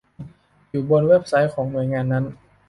อยู่บนเว็บไซต์ของหน่วยงานนั้น